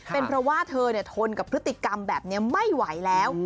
เป็นเพราะว่าเธอทนกับพฤติกรรมแบบนี้ไม่ไหวแล้ว